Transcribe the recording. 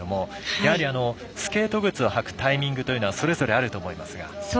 やはり、スケート靴を履くタイミングというのはそれぞれあると思いますが。